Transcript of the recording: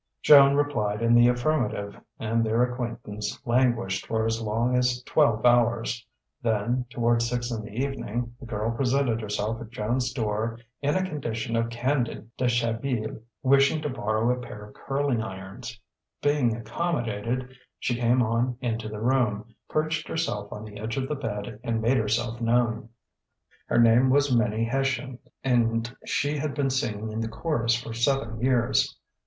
Joan replied in the affirmative, and their acquaintanceship languished for as long as twelve hours. Then, toward six in the evening, the girl presented herself at Joan's door in a condition of candid deshabille, wishing to borrow a pair of curling irons. Being accommodated, she came on into the room, perched herself on the edge of the bed, and made herself known. Her name was Minnie Hession and she had been singing in the chorus for seven years.